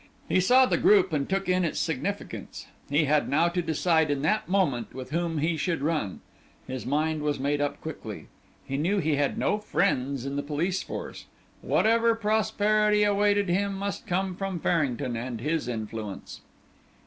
He saw the group and took in its significance. He had now to decide in that moment with whom he should run. His mind was made up quickly; he knew he had no friends in the police force; whatever prosperity awaited him must come from Farrington and his influence.